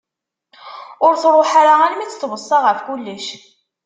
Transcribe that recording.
Ur truḥ ara armi i tt-tweṣṣa ɣef kullec.